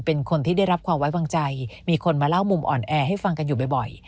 เป็นคนที่ได้รับความไว้วางใจมีคนมาเล่ามุมอ่อนแอให้ฟังกันอยู่บ่อย